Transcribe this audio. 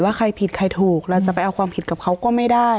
ใครผิดใครถูกเราจะไปเอาความผิดกับเขาก็ไม่ได้